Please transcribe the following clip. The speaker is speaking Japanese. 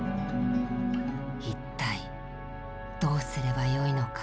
「一体どうすればよいのか」。